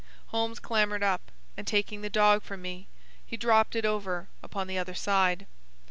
Holmes clambered up, and, taking the dog from me, he dropped it over upon the other side.